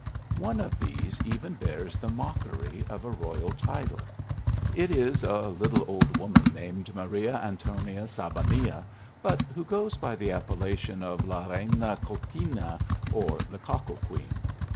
One of these even bears the mockery of a royal title. It is a little old woman named Maria Antonia SaBonea, but who goes by the appellation of la Reyna Cuquina, or the cockle queen.